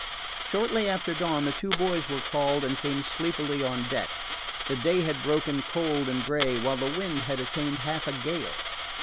Shortly after dawn, the two boys were called and came sleepily on deck. The day had broken cold and gray, while the wind had attained half a gale.